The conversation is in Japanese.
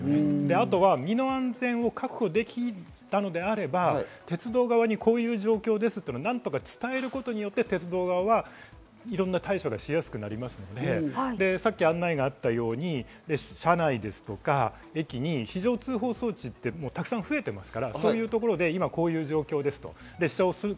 あとは身の安全を確保できたのであれば、鉄道側にこういう状況ですというのは、何とか伝えることで鉄道側はいろんな対処がしやすくなりますので、さっき案内があったように車内とか駅に非常通報装置がたくさん増えています。